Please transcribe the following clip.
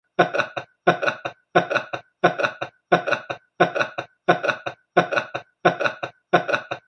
They are considered early, primitive ungulates.